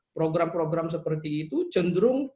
program program seperti itu cenderung